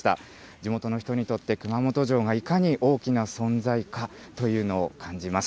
地元の人にとって、熊本城がいかに大きな存在かというのを感じます。